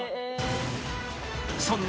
［そんな］